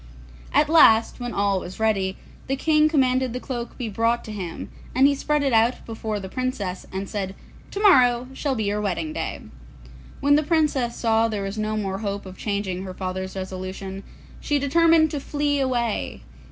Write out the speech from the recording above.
At last, when all was ready, the King commanded the cloak to be brought to him, and he spread it out before the Princess, and said, 'Tomorrow shall be your wedding day.' When the Princess saw that there was no more hope of changing her father's resolution, she determined to flee away.